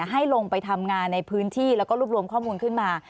ให้ลงไปทำงานในพื้นที่แล้วก็รวบรวมข้อมูลขึ้นมา